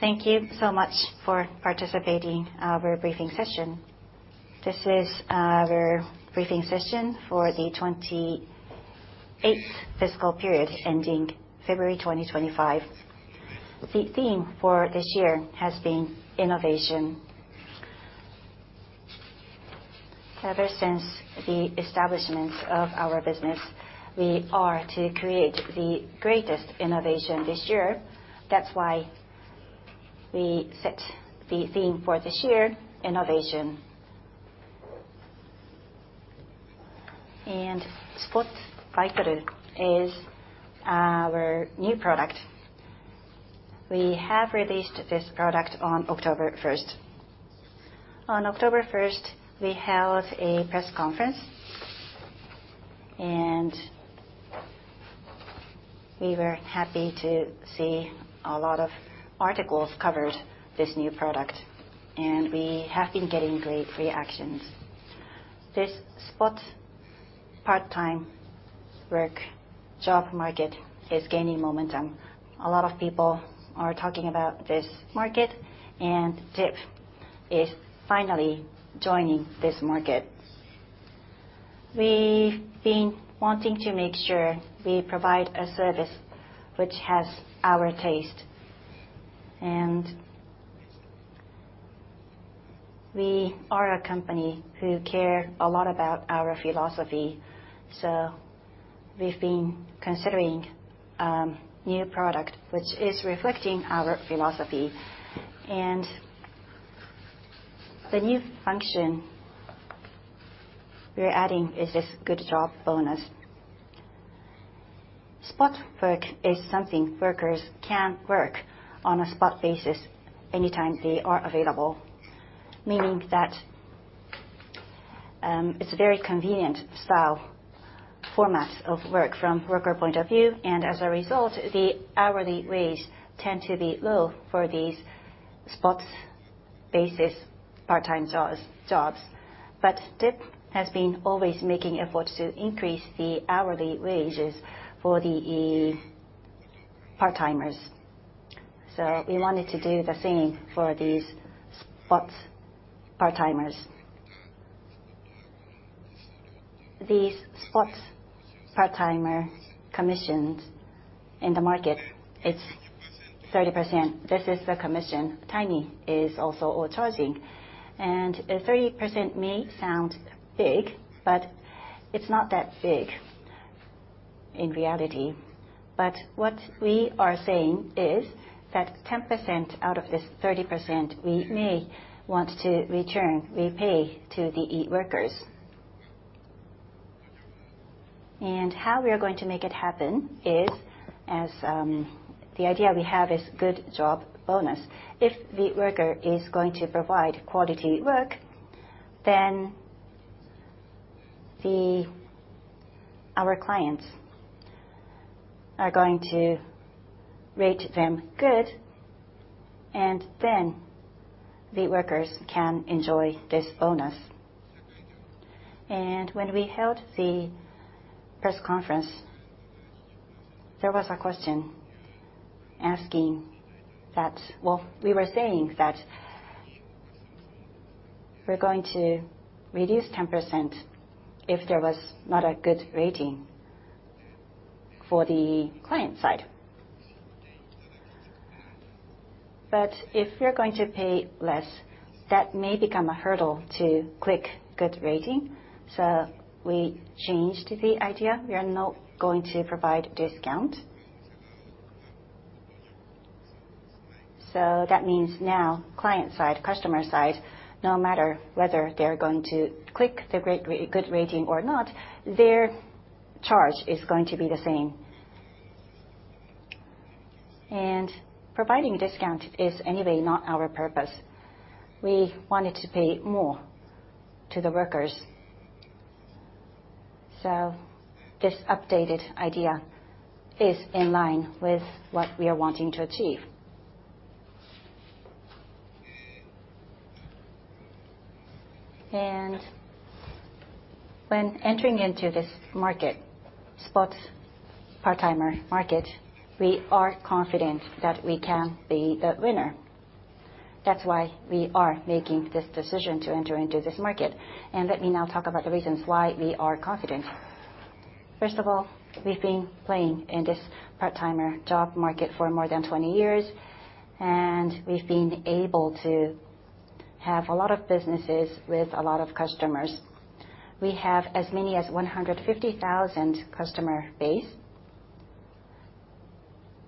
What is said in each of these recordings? Thank you so much for participating our briefing session. This is our briefing session for the 28th fiscal period ending February 2025. The theme for this year has been innovation. Ever since the establishment of our business, we are to create the greatest innovation this year. That's why we set the theme for this year, innovation. Spot Baitoru is our new product. We have released this product on October first. On October first, we held a press conference, we were happy to see a lot of articles covers this new product, we have been getting great reactions. This spot part-time work job market is gaining momentum. A lot of people are talking about this market, DIP is finally joining this market. We've been wanting to make sure we provide a service which has our taste, and we are a company who care a lot about our philosophy. We've been considering a new product which is reflecting our philosophy. The new function we're adding is this Good Job Bonus. Spot work is something workers can work on a spot basis anytime they are available, meaning that it's very convenient style format of work from worker point of view, and as a result, the hourly wage tend to be low for these spot basis part-time jobs. DIP has been always making effort to increase the hourly wages for the part-timers. We wanted to do the same for these spot part-timers. These spot part-timer commissions in the market, it's 30%. This is the commission. Timee is also all charging. A 30% may sound big, but it's not that big in reality. What we are saying is that 10% out of this 30%, we may want to return, repay to the e-workers. How we are going to make it happen is as the idea we have is Good Job Bonus. If the worker is going to provide quality work, Our clients are going to rate them good, the workers can enjoy this bonus. When we held the press conference, there was a question asking that Well, we were saying that we're going to reduce 10% if there was not a good rating for the client side. If we're going to pay less, that may become a hurdle to click good rating. We changed the idea. We are not going to provide discount. That means now client side, customer side, no matter whether they are going to click the good rating or not, their charge is going to be the same. Providing discount is anyway not our purpose. We wanted to pay more to the workers. This updated idea is in line with what we are wanting to achieve. When entering into this market, spot part-timer market, we are confident that we can be the winner. That is why we are making this decision to enter into this market. Let me now talk about the reasons why we are confident. First of all, we've been playing in this part-timer job market for more than 20 years, and we've been able to have a lot of businesses with a lot of customers. We have as many as 150,000 customer base.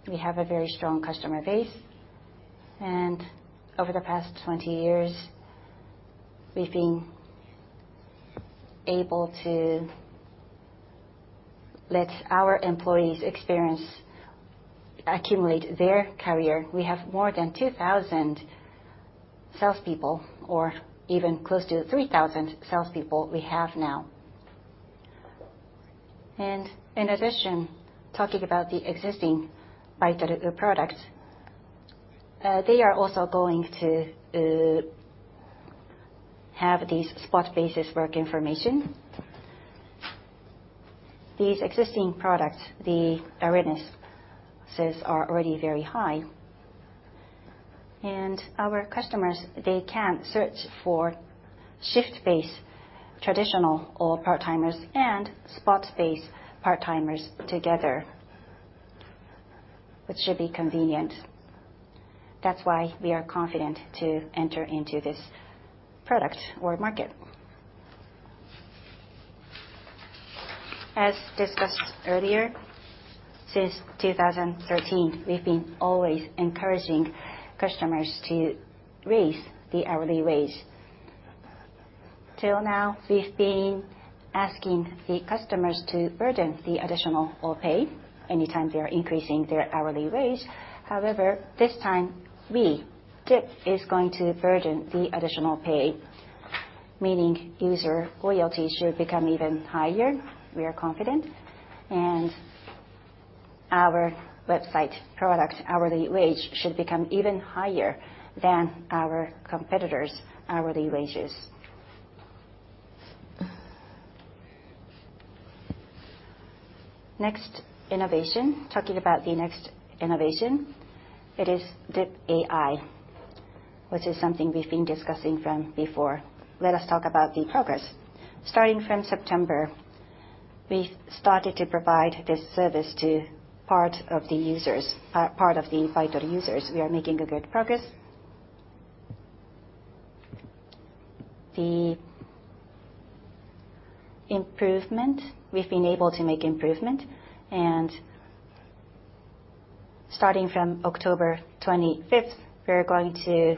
We have a very strong customer base, and over the past 20 years, we've been able to let our employees experience accumulate their career. We have more than 2,000 salespeople or even close to 3,000 salespeople we have now. In addition, talking about the existing Baito products, they are also going to have these spot basis work information. These existing products, the awarenesses are already very high. Our customers, they can search for shift-based traditional or part-timers and spot-based part-timers together, which should be convenient. That's why we are confident to enter into this product or market. As discussed earlier, since 2013, we've been always encouraging customers to raise the hourly wage. Till now, we've been asking the customers to burden the additional or pay anytime they are increasing their hourly wage. However, this time, we, DIP, is going to burden the additional pay. User loyalty should become even higher, we are confident. Our website product hourly wage should become even higher than our competitors' hourly wages. Next innovation. Talking about the next innovation, it is DIP AI, which is something we've been discussing from before. Let us talk about the progress. Starting from September, we've started to provide this service to part of the users, part of the Baitoru users. We are making a good progress. We've been able to make improvement, starting from October 25th, we are going to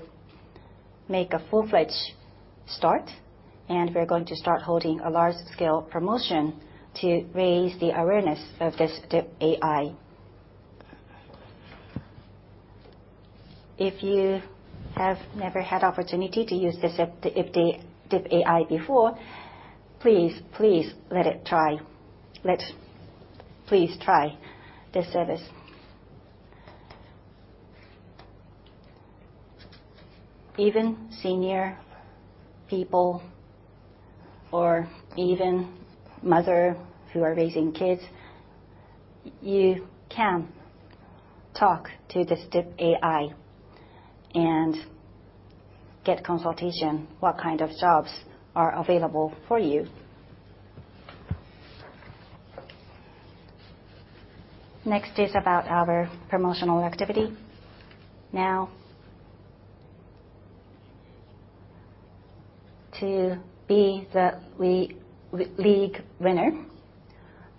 make a full-fledged start, we are going to start holding a large-scale promotion to raise the awareness of this DIP AI. If you have never had opportunity to use this DIP AI before, please let it try. Let's please try this service. Even senior people or even mother who are raising kids, you can talk to this dip AI and get consultation what kind of jobs are available for you. Next is about our promotional activity. Now, to be the league winner,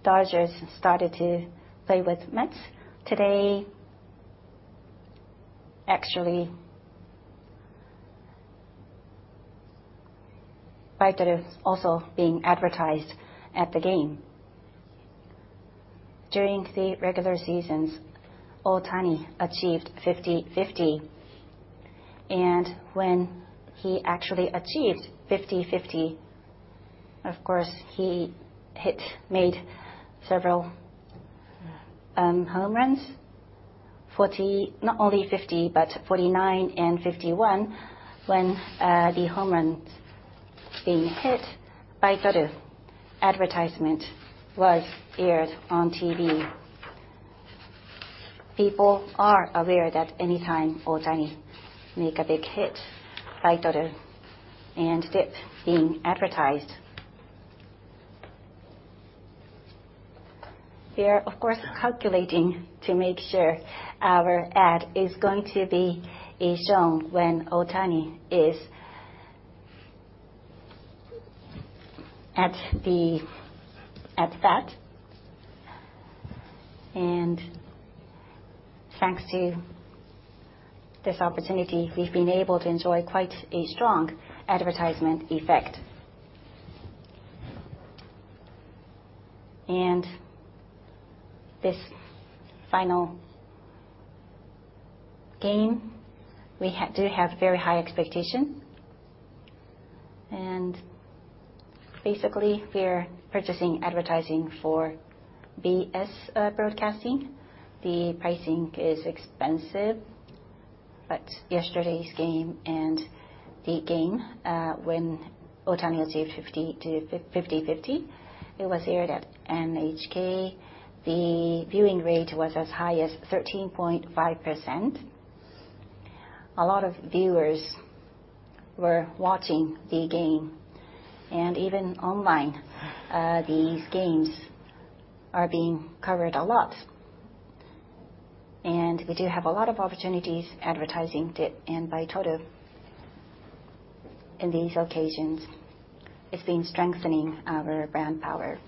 Dodgers started to play with Mets. Today, actually, by the way, also being advertised at the game. During the regular seasons, Ohtani achieved 50/50. When he actually achieved 50/50, of course, he hit, made several home runs. Not only 50, but 49 and 51 when the home runs being hit by Baitoru, advertisement was aired on TV. People are aware that anytime Ohtani make a big hit, Baitoru and DIP being advertised. We are, of course, calculating to make sure our ad is going to be shown when Ohtani is at the at bat. Thanks to this opportunity, we've been able to enjoy quite a strong advertisement effect. This final game, we do have very high expectation. Basically, we're purchasing advertising for BS broadcasting. The pricing is expensive, but yesterday's game and the game, when Ohtani achieved 50/50, it was aired at NHK. The viewing rate was as high as 13.5%. A lot of viewers were watching the game. Even online, these games are being covered a lot. We do have a lot of opportunities advertising DIP and Baitoru in these occasions. It's been strengthening our brand power.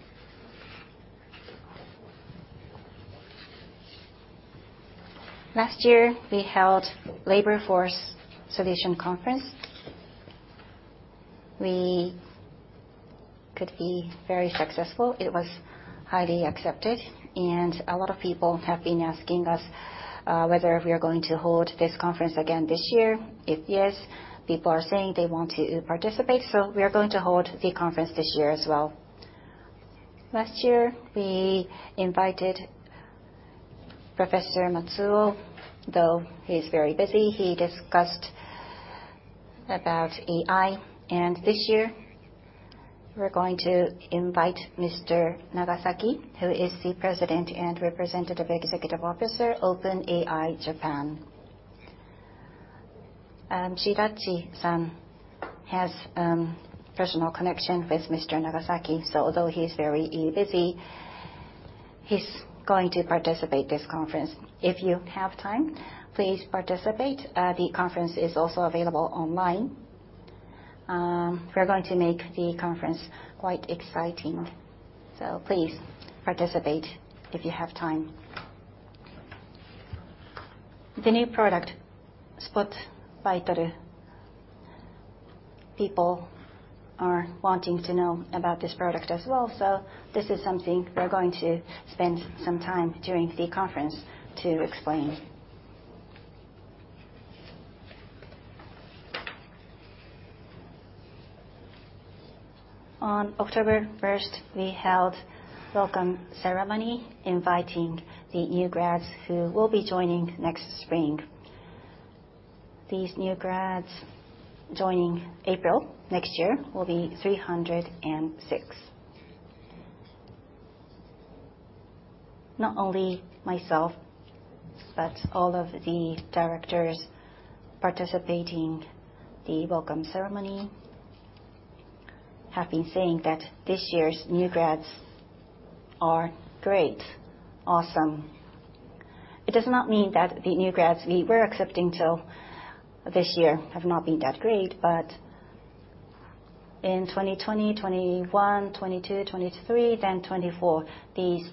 Last year, we held labor force solution conference. We could be very successful. It was highly accepted, and a lot of people have been asking us whether we are going to hold this conference again this year. If yes, people are saying they want to participate, we are going to hold the conference this year as well. Last year, we invited Professor Matsuo, though he's very busy, he discussed about AI. This year, we're going to invite Mr. Nagasaki, who is the president and representative executive officer, OpenAI Japan. Shidachi-san has personal connection with Mr. Nagasaki. Although he's very busy, he's going to participate this conference. If you have time, please participate. The conference is also available online. We're going to make the conference quite exciting. Please participate if you have time. The new product, Spot Baitoru, people are wanting to know about this product as well. This is something we're going to spend some time during the conference to explain. On October first, we held welcome ceremony, inviting the new grads who will be joining next spring. These new grads joining April next year will be 306. Not only myself, but all of the directors participating the welcome ceremony have been saying that this year's new grads are great, awesome. It does not mean that the new grads we were accepting till this year have not been that great. In 2020, 2021, 2022, 2023, then 2024, these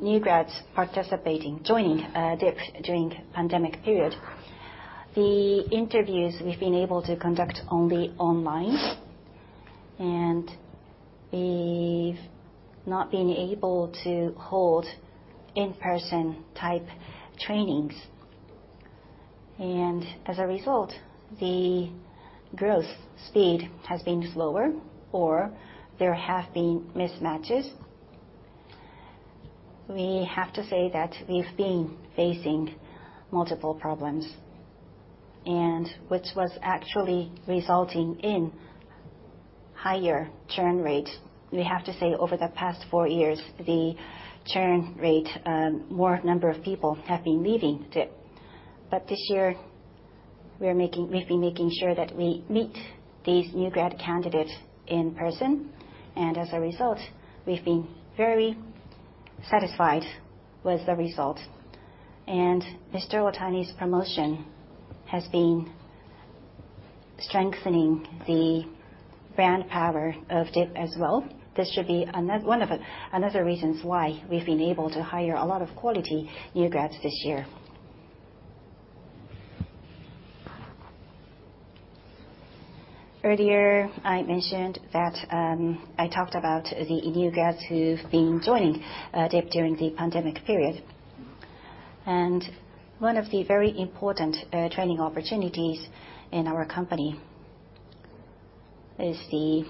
new grads participating, joining DIP during pandemic period. The interviews we've been able to conduct only online, and we've not been able to hold in-person type trainings. As a result, the growth speed has been slower, or there have been mismatches. We have to say that we've been facing multiple problems, and which was actually resulting in higher churn rate. We have to say over the past four years, the churn rate, more number of people have been leaving DIP. This year, we've been making sure that we meet these new grad candidates in person. As a result, we've been very satisfied with the result. Mr. Ohtani's promotion has been strengthening the brand power of DIP as well. This should be one of another reasons why we've been able to hire a lot of quality new grads this year. Earlier, I mentioned that I talked about the new grads who've been joining DIP during the pandemic period. One of the very important training opportunities in our company is the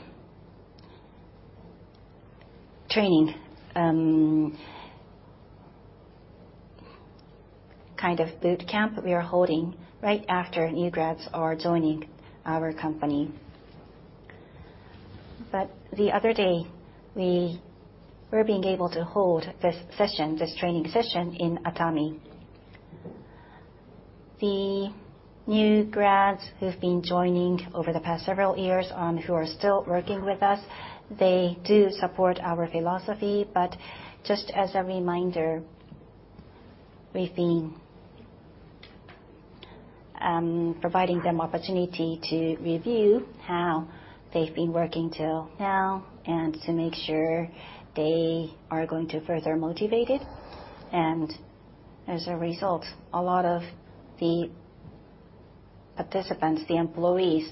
training kind of boot camp we are holding right after new grads are joining our company. The other day, we were being able to hold this session, this training session in Atami. The new grads who've been joining over the past several years, who are still working with us, they do support our philosophy. Just as a reminder, we've been providing them opportunity to review how they've been working till now and to make sure they are going to further motivated. As a result, a lot of the participants, the employees,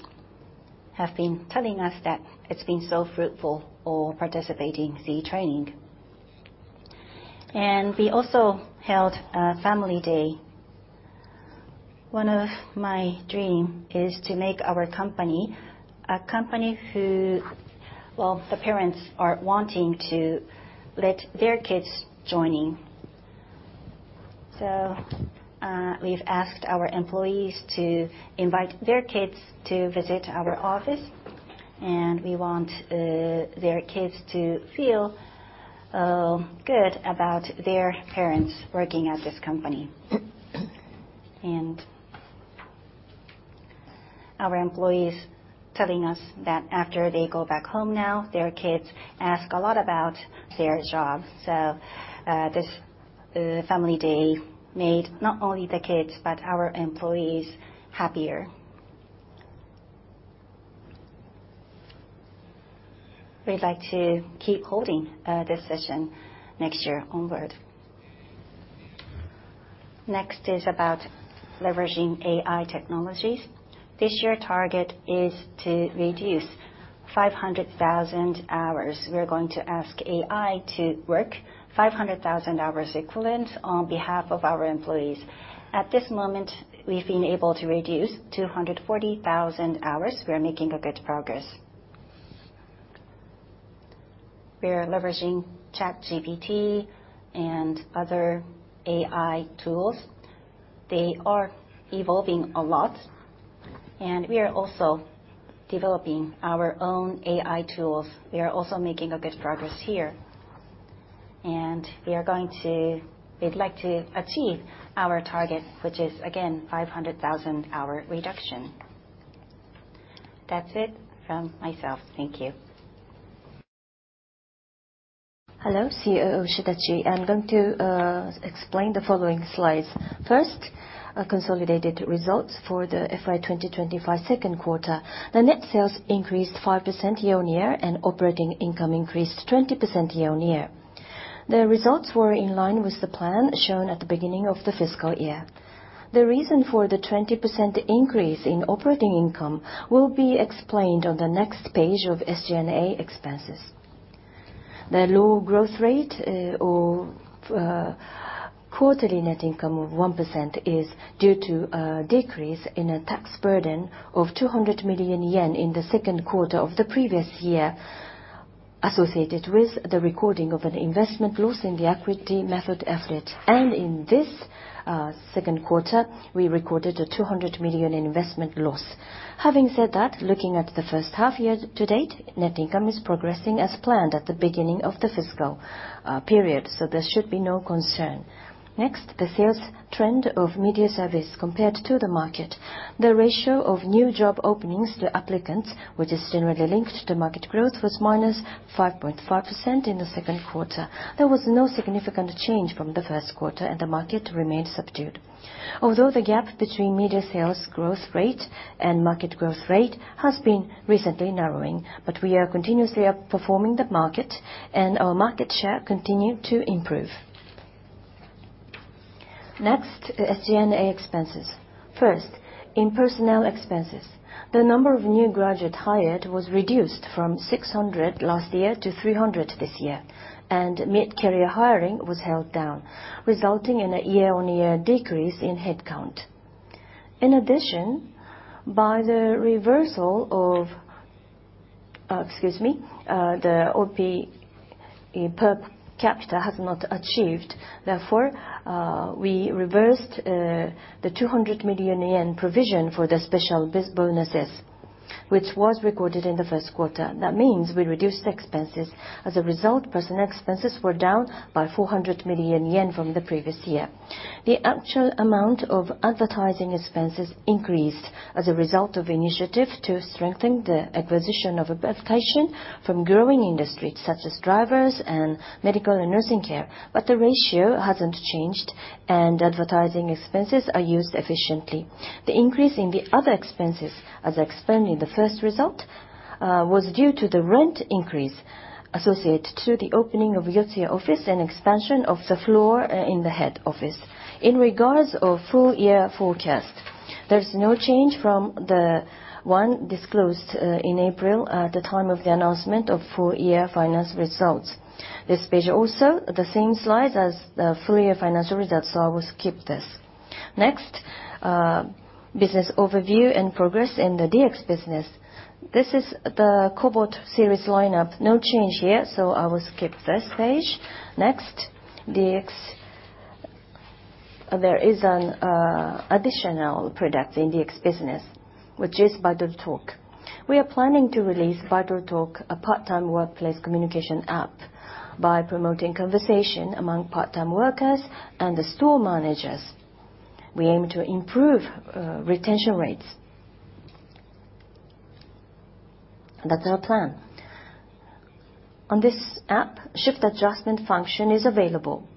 have been telling us that it's been so fruitful for participating the training. We also held a family day. One of my dream is to make our company a company who Well, the parents are wanting to let their kids joining. We've asked our employees to invite their kids to visit our office, and we want their kids to feel good about their parents working at this company. Our employees telling us that after they go back home now, their kids ask a lot about their job. This family day made not only the kids, but our employees happier. We'd like to keep holding this session next year onward. Next is about leveraging AI technologies. This year target is to reduce 500,000 hours. We're going to ask AI to work 500,000 hours equivalent on behalf of our employees. At this moment, we've been able to reduce 240,000 hours. We are making good progress. We are leveraging ChatGPT and other AI tools. They are evolving a lot, we are also developing our own AI tools. We are also making a good progress here. We'd like to achieve our target, which is again 500,000 hour reduction. That's it from myself. Thank you. Hello, COO Shidachi. I'm going to explain the following slides. First, our consolidated results for the FY 2025 second quarter. The net sales increased 5% year-on-year, and operating income increased 20% year-on-year. The results were in line with the plan shown at the beginning of the fiscal year. The reason for the 20% increase in operating income will be explained on the next page of SG&A expenses. The low growth rate, or quarterly net income of 1% is due to a decrease in a tax burden of 200 million yen in the second quarter of the previous year associated with the recording of an investment loss in the equity method affiliate. In this second quarter, we recorded a 200 million investment loss. Having said that, looking at the first half year to date, net income is progressing as planned at the beginning of the fiscal period, so there should be no concern. Next, the sales trend of media service compared to the market. The ratio of new job openings to applicants, which is generally linked to market growth, was -5.5% in the second quarter. There was no significant change from the first quarter, and the market remained subdued. Although the gap between media sales growth rate and market growth rate has been recently narrowing, but we are continuously outperforming the market, and our market share continued to improve. Next, SG&A expenses. First, in personnel expenses, the number of new graduate hired was reduced from 600 last year to 300 this year, and mid-career hiring was held down, resulting in a year-on-year decrease in headcount. By the reversal of, excuse me. The OPE per capita has not achieved. We reversed the 200 million yen provision for the special bis bonuses, which was recorded in the first quarter. That means we reduced expenses. As a result, personnel expenses were down by 400 million yen from the previous year. The actual amount of advertising expenses increased as a result of initiative to strengthen the acquisition of vacancies from growing industries such as drivers and medical and nursing care. The ratio hasn't changed, and advertising expenses are used efficiently. The increase in the other expenses, as explained in the first result, was due to the rent increase associated to the opening of Yotsuya office and expansion of the floor in the head office. In regards of full-year forecast, there's no change from the one disclosed in April at the time of the announcement of full-year financial results. This page also the same slide as the full-year financial results, so I will skip this. Next, business overview and progress in the DX Business. This is the Kobot series lineup. No change here, so I will skip this page. Next, DX. There is an additional product in DX business, which is Baitoru talk. We are planning to release Baitoru talk, a part-time workplace communication app, by promoting conversation among part-time workers and the store managers. We aim to improve retention rates. That's our plan. On this app, shift adjustment function is available.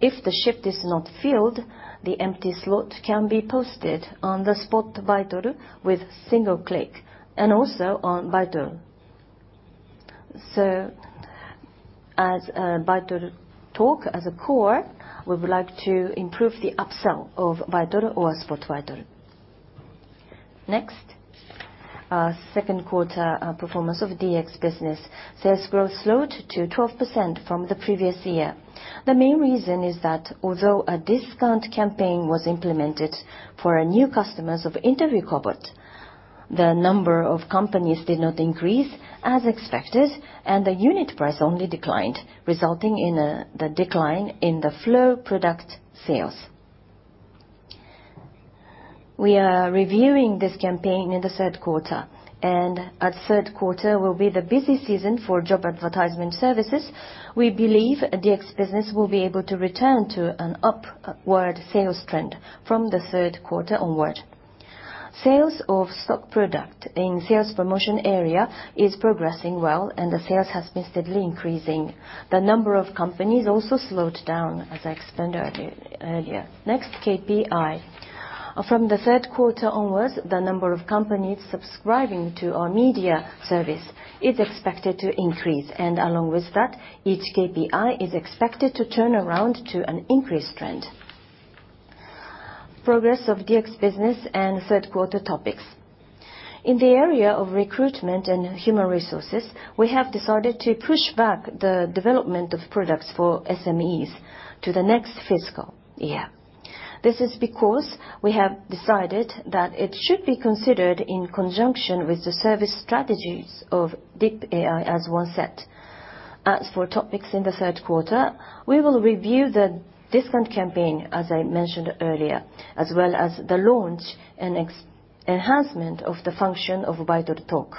If the shift is not filled, the empty slot can be posted on Spot Baitoru with single click and also on Baitoru. As Baitoru talk as a core, we would like to improve the upsell of Baitoru or Spot Baitoru. Next, second quarter performance of DX business. Sales growth slowed to 12% from the previous year. The main reason is that although a discount campaign was implemented for our new customers of Interview Kobot, the number of companies did not increase as expected, and the unit price only declined, resulting in the decline in the flow product sales. We are reviewing this campaign in the 3rd quarter. As the 3rd quarter will be the busy season for job advertisement services, we believe DX Business will be able to return to an upward sales trend from the 3rd quarter onward. Sales of stock product in sales promotion area is progressing well. The sales has been steadily increasing. The number of companies also slowed down, as I explained earlier. Next, KPI. From the 3rd quarter onwards, the number of companies subscribing to our media service is expected to increase. Along with that, each KPI is expected to turn around to an increased trend. Progress of DX business and third quarter topics. In the area of recruitment and human resources, we have decided to push back the development of products for SMEs to the next fiscal year. This is because we have decided that it should be considered in conjunction with the service strategies of dip AI as one set. As for topics in the third quarter, we will review the discount campaign, as I mentioned earlier, as well as the launch and enhancement of the function of Baitoru talk.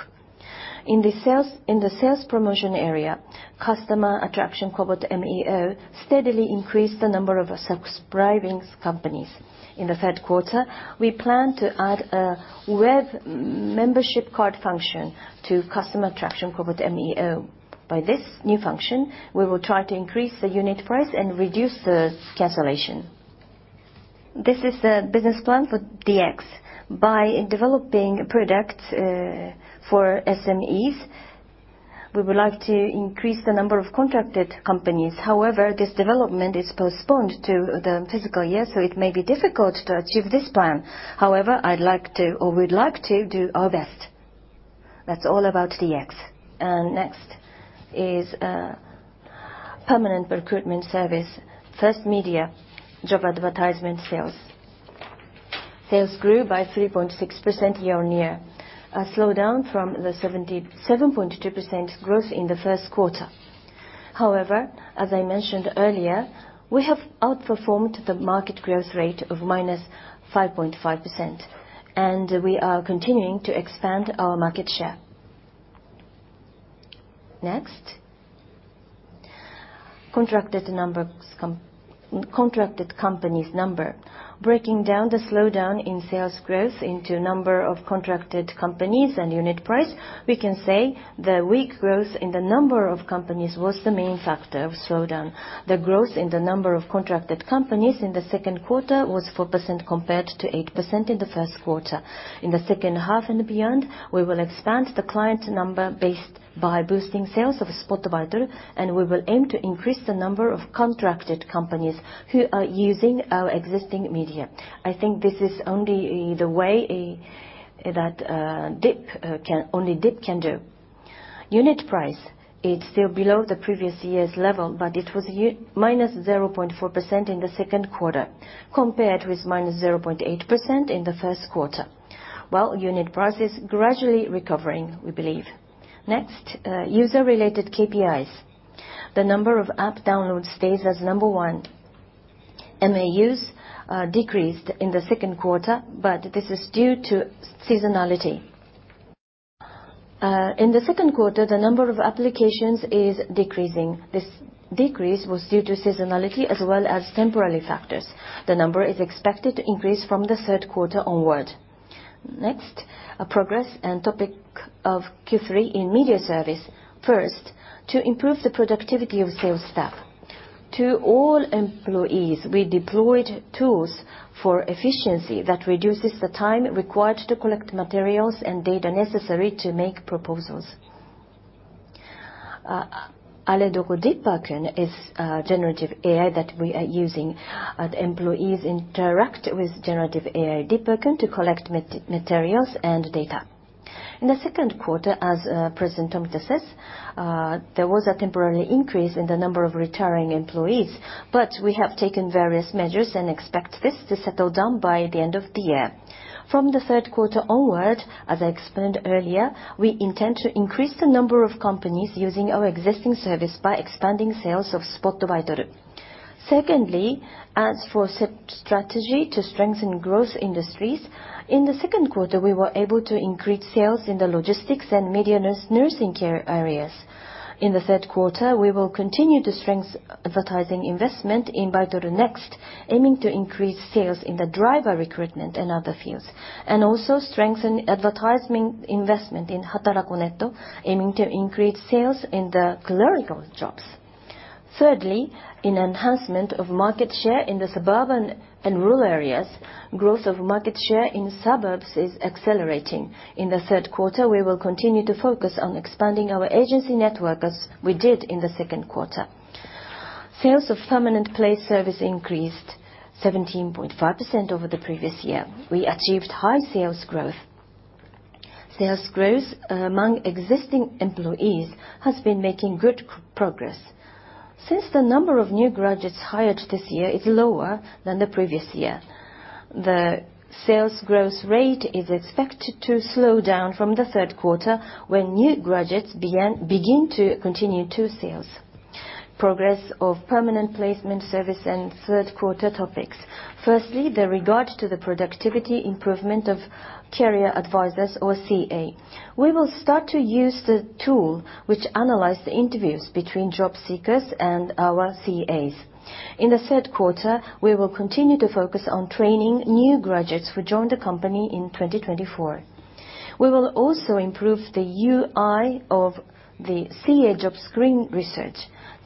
In the sales promotion area, customer attraction Kobot MEO steadily increased the number of subscribing companies. In the third quarter, we plan to add a web membership card function to customer attraction Kobot MEO. By this new function, we will try to increase the unit price and reduce the cancellation. This is the business plan for DX. By developing products for SMEs, we would like to increase the number of contracted companies. However, this development is postponed to the fiscal year, so it may be difficult to achieve this plan. However, I'd like to, or we'd like to do our best. That's all about DX. Next is permanent recruitment service. First media, job advertisement sales. Sales grew by 3.6% year-on-year, a slowdown from the 77.2% growth in the first quarter. However, as I mentioned earlier, we have outperformed the market growth rate of minus 5.5%, and we are continuing to expand our market share. Next, contracted companies number. Breaking down the slowdown in sales growth into number of contracted companies and unit price, we can say the weak growth in the number of companies was the main factor of slowdown. The growth in the number of contracted companies in the second quarter was 4% compared to 8% in the first quarter. In the second half and beyond, we will expand the client number based by boosting sales of Spot Baitoru, and we will aim to increase the number of contracted companies who are using our existing media. I think this is only the way that only DIP can do. Unit price, it's still below the previous year's level, but it was minus 0.4% in the second quarter, compared with minus 0.8% in the first quarter. Well, unit price is gradually recovering, we believe. Next, user-related KPIs. The number of app downloads stays as number 1. MAUs decreased in the second quarter, but this is due to seasonality. In the 2nd quarter, the number of applications is decreasing. This decrease was due to seasonality as well as temporary factors. The number is expected to increase from the third quarter onward. Next, a progress and topic of Q3 in media service. First, to improve the productivity of sales staff. To all employees, we deployed tools for efficiency that reduces the time required to collect materials and data necessary to make proposals. [Aladogu] DeepRacon is a generative AI that we are using. Employees interact with generative AI DeepRacon to collect materials and data. In the 2nd quarter, as President Tomita says, there was a temporary increase in the number of retiring employees. We have taken various measures and expect this to settle down by the end of the year. From the third quarter onward, as I explained earlier, we intend to increase the number of companies using our existing service by expanding sales of Spot Baitoru. Secondly, as for strategy to strengthen growth industries, in the second quarter, we were able to increase sales in the logistics and nursing care areas. In the third quarter, we will continue to strengthen advertising investment in Baitoru NEXT, aiming to increase sales in the driver recruitment and other fields, and also strengthen advertising investment in Hatarako.net, aiming to increase sales in the clerical jobs. Thirdly, in enhancement of market share in the suburban and rural areas, growth of market share in suburbs is accelerating. In the third quarter, we will continue to focus on expanding our agency network as we did in the second quarter. Sales of permanent place service increased 17.5% over the previous year. We achieved high sales growth. Sales growth among existing employees has been making good progress. Since the number of new graduates hired this year is lower than the previous year, the sales growth rate is expected to slow down from the third quarter when new graduates begin to continue to sales. Progress of permanent placement service and third quarter topics. Firstly, the regard to the productivity improvement of career advisors or CA. We will start to use the tool which analyze the interviews between job seekers and our CAs. In the third quarter, we will continue to focus on training new graduates who joined the company in 2024. We will also improve the UI of the CA job screen research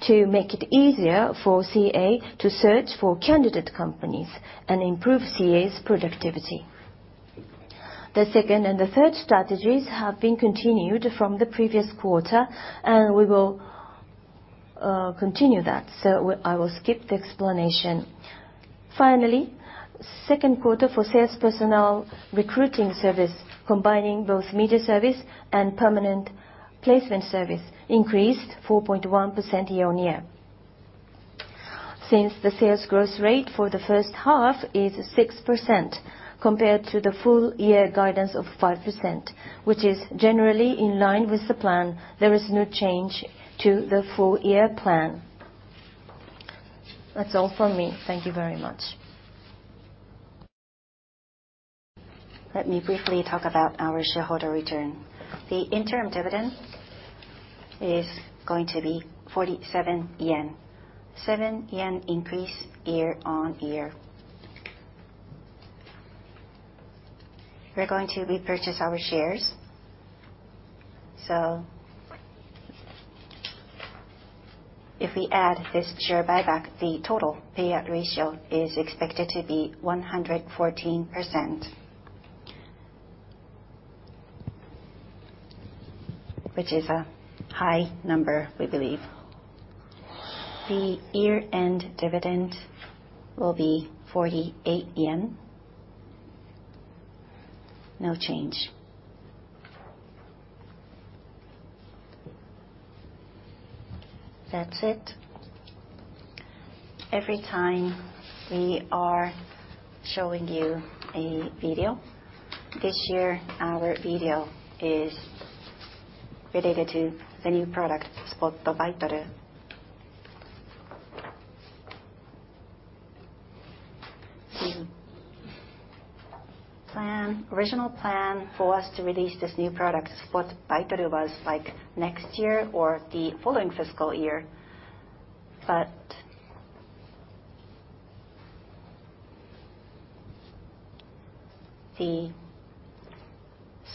to make it easier for CA to search for candidate companies and improve CA's productivity. The second and the third strategies have been continued from the previous quarter, and we will continue that. I will skip the explanation. Finally, second quarter for sales personnel recruiting service, combining both media service and permanent placement service, increased 4.1% year-on-year. Since the sales growth rate for the first half is 6% compared to the full year guidance of 5%, which is generally in line with the plan, there is no change to the full year plan. That's all for me. Thank you very much. Let me briefly talk about our shareholder return. The interim dividend is going to be 47 yen. 7 yen increase year-over-year. We're going to repurchase our shares. If we add this share buyback, the total payout ratio is expected to be 114%, which is a high number, we believe. The year-end dividend will be JPY 48. No change. That's it. Every time we are showing you a video, this year our video is related to the new product, Spot Baitoru. Original plan for us to release this new product, Spot Baitoru, was like next year or the following fiscal year. The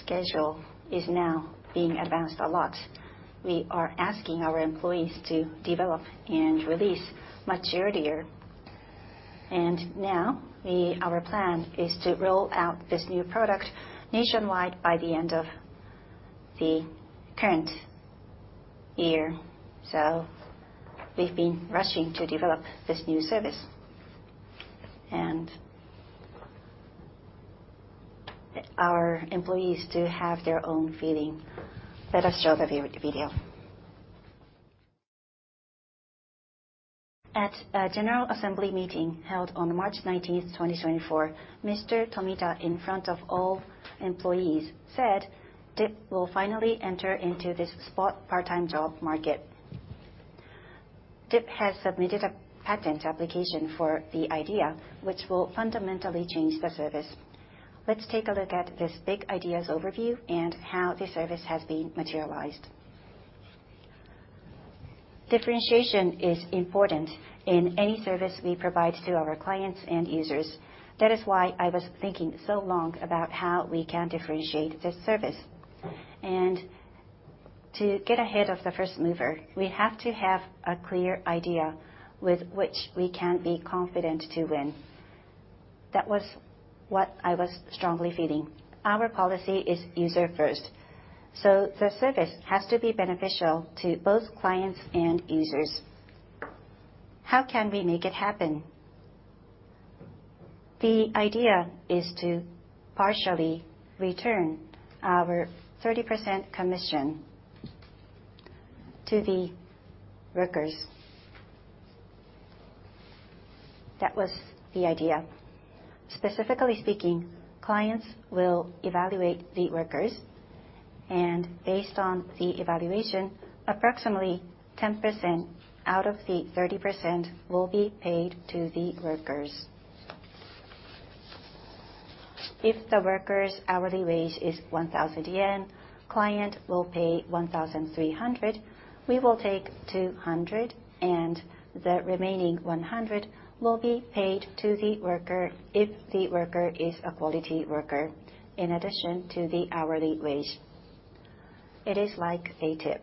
schedule is now being advanced a lot. We are asking our employees to develop and release much earlier. Now our plan is to roll out this new product nationwide by the end of the current year. We've been rushing to develop this new service. Our employees do have their own feeling. Let us show the video. At a general assembly meeting held on March 19th, 2024, Mr. Tomita, in front of all employees, said DIP will finally enter into this spot part-time job market. DIP has submitted a patent application for the idea, which will fundamentally change the service. Let's take a look at this big ideas overview and how the service has been materialized. Differentiation is important in any service we provide to our clients and users. That is why I was thinking so long about how we can differentiate this service. To get ahead of the first mover, we have to have a clear idea with which we can be confident to win. That was what I was strongly feeling. Our policy is user first. The service has to be beneficial to both clients and users. How can we make it happen? The idea is to partially return our 30% commission to the workers. That was the idea. Specifically speaking, clients will evaluate the workers, and based on the evaluation, approximately 10% out of the 30% will be paid to the workers. If the worker's hourly wage is 1,000 yen, client will pay 1,300. We will take 200, and the remaining 100 will be paid to the worker if the worker is a quality worker in addition to the hourly wage. It is like a tip.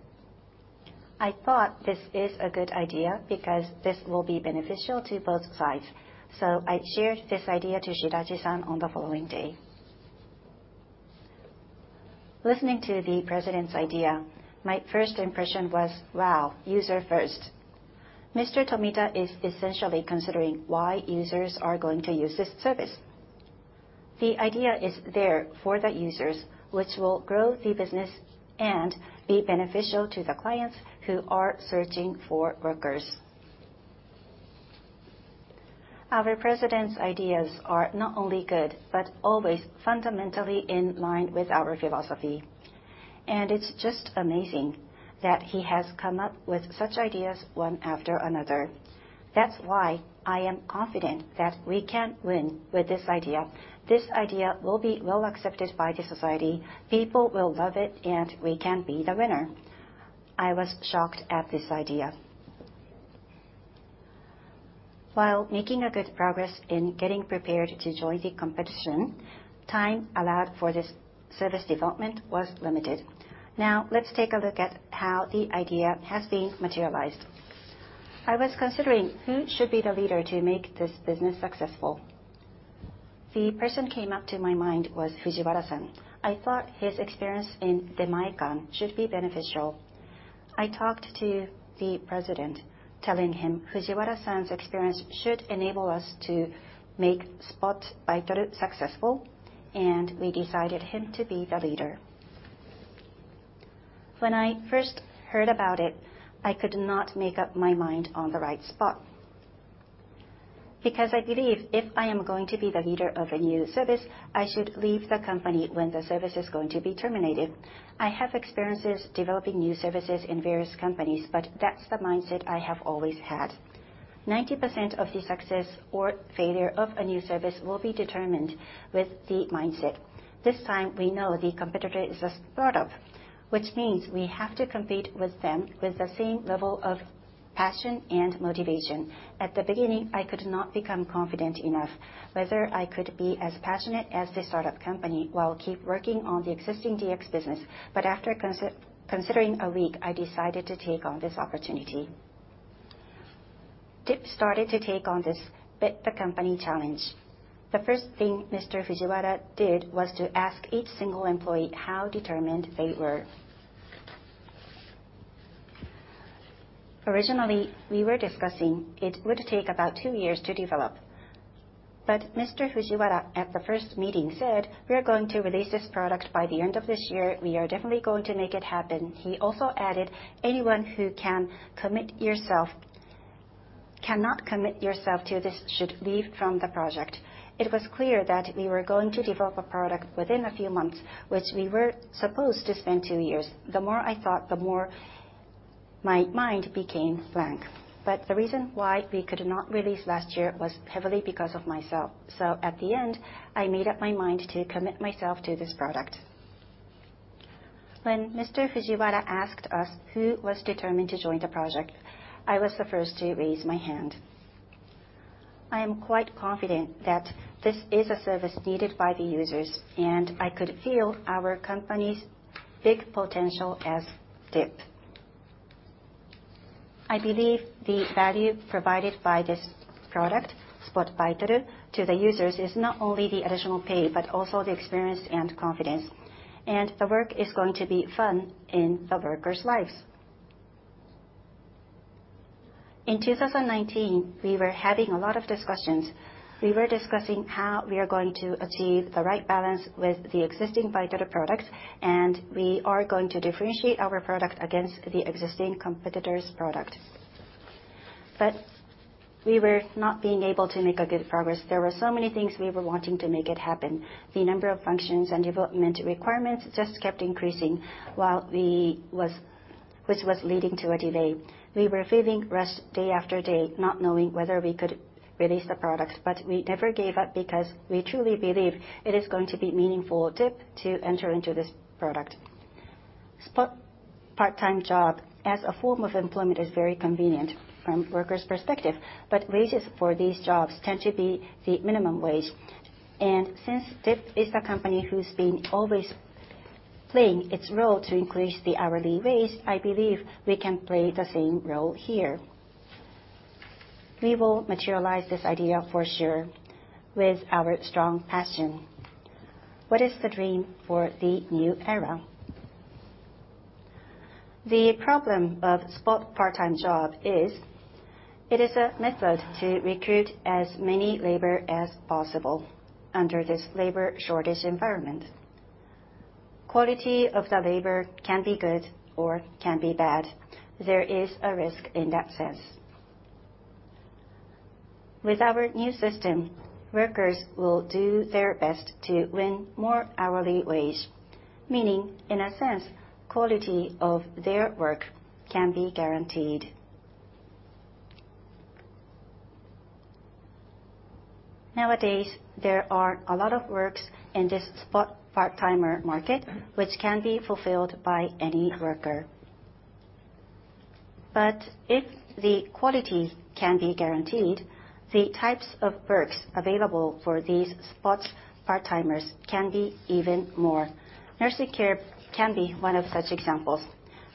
I thought this is a good idea because this will be beneficial to both sides. I shared this idea to Shidachi-san on the following day. Listening to the president's idea, my first impression was, "Wow, user first." Mr. Tomita is essentially considering why users are going to use this service. The idea is there for the users, which will grow the business and be beneficial to the clients who are searching for workers. Our president's ideas are not only good, but always fundamentally in line with our philosophy. It's just amazing that he has come up with such ideas one after another. That's why I am confident that we can win with this idea. This idea will be well accepted by the society. People will love it. We can be the winner. I was shocked at this idea. While making a good progress in getting prepared to join the competition, time allowed for this service development was limited. Let's take a look at how the idea has been materialized. I was considering who should be the leader to make this business successful. The person came up to my mind was Fujiwara-san. I thought his experience in Demae-can should be beneficial. I talked to the President, telling him Fujiwara-san's experience should enable us to make Spot Baitoru successful. We decided him to be the leader. When I first heard about it, I could not make up my mind on the right spot. I believe if I am going to be the leader of a new service, I should leave the company when the service is going to be terminated. I have experiences developing new services in various companies, that's the mindset I have always had. 90% of the success or failure of a new service will be determined with the mindset. This time, we know the competitor is a startup, which means we have to compete with them with the same level of passion and motivation. At the beginning, I could not become confident enough whether I could be as passionate as the startup company while keep working on the existing DX business. After considering a week, I decided to take on this opportunity. DIP started to take on this bet the company challenge. The first thing Mr. Fujiwara did was to ask each single employee how determined they were. Originally, we were discussing it would take about two years to develop. Mr. Fujiwara, at the meeting, said, "We are going to release this product by the end of this year. We are definitely going to make it happen." He also added, "Anyone who cannot commit yourself to this should leave from the project." It was clear that we were going to develop a product within a few months, which we were supposed to spend two years. The more I thought, the more my mind became blank. The reason why we could not release last year was heavily because of myself. At the end, I made up my mind to commit myself to this product. When Mr. Fujiwara asked us who was determined to join the project, I was the first to raise my hand. I am quite confident that this is a service needed by the users, and I could feel our company's big potential as DIP. I believe the value provided by this product, Spot Baitoru, to the users is not only the additional pay, but also the experience and confidence. The work is going to be fun in the workers' lives. In 2019, we were having a lot of discussions. We were discussing how we are going to achieve the right balance with the existing Baitoru product, and we are going to differentiate our product against the existing competitor's product. We were not being able to make a good progress. There were so many things we were wanting to make it happen. The number of functions and development requirements just kept increasing which was leading to a delay. We were feeling rushed day after day, not knowing whether we could release the product. We never gave up because we truly believe it is going to be meaningful DIP to enter into this product. Spot part-time job as a form of employment is very convenient from workers' perspective, but wages for these jobs tend to be the minimum wage. Since DIP is the company who's been always playing its role to increase the hourly wage, I believe we can play the same role here. We will materialize this idea for sure with our strong passion. What is the dream for the new era? The problem of spot part-time job is it is a method to recruit as many labor as possible under this labor shortage environment. Quality of the labor can be good or can be bad. There is a risk in that sense. With our new system, workers will do their best to win more hourly wage, meaning, in a sense, quality of their work can be guaranteed. Nowadays, there are a lot of works in this spot part-timer market which can be fulfilled by any worker. If the quality can be guaranteed, the types of works available for these spot part-timers can be even more. Nursing care can be one of such examples.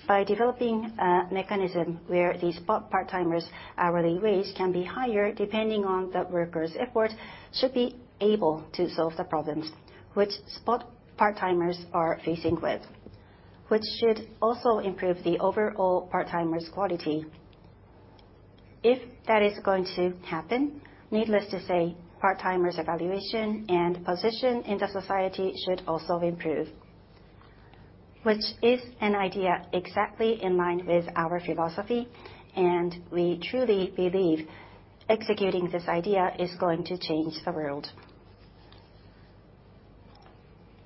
By developing a mechanism where the spot part-timers' hourly wage can be higher depending on the worker's effort should be able to solve the problems which spot part-timers are facing with, which should also improve the overall part-timers' quality. If that is going to happen, needless to say, part-timers' evaluation and position in the society should also improve, which is an idea exactly in line with our philosophy, and we truly believe executing this idea is going to change the world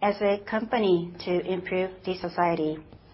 as a company to improve the society.